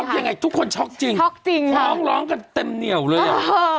ยังไงทุกคนช็อคจริงปายออกกันเต็มเหนียวเลยอ่ะ